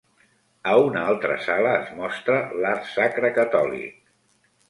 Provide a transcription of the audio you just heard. A una altra sala es mostra l'art sacre catòlic.